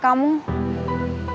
tapi aku seperti kamu